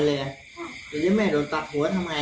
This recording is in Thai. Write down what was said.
แต่แฟนเขาว่ารักษณะไม่ดี